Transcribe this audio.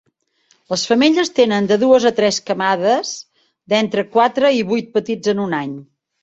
Les femelles tenen de dues a tres camades d'entre quatre i vuit petits en un any.